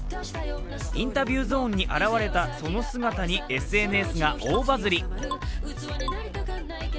インタビューゾーンに現れたその姿にＳＮＳが大バズり。